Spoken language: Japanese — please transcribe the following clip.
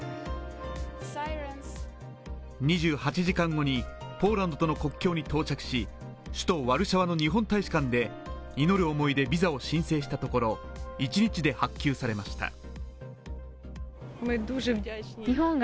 ２８時間後にポーランドとの国境に到着し、首都ワルシャワの日本大使館で祈る思いでビザを申請したところ一日で発給されました。